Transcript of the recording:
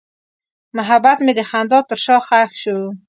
محبت مې د خندا تر شا ښخ شو.